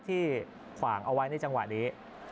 ขวางเอาไว้ในจังหวะนี้